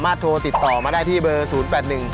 แล้วก็สองก็คือโรคขี้เปื่อยหางเปื่อยเหือกเปื่อยพวกเนี้ยครับ